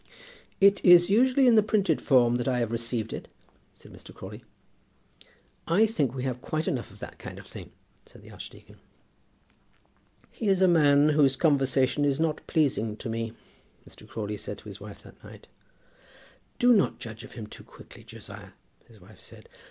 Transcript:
"It is usually in the printed form that I have received it," said Mr. Crawley. "I think we have quite enough of that kind of thing," said the archdeacon. "He is a man whose conversation is not pleasing to me," Mr. Crawley said to his wife that night. "Do not judge of him too quickly, Josiah," his wife said.